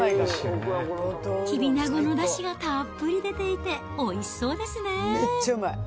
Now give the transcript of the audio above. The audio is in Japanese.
きびなごのだしがたっぷり出ていて、おいしそうですね。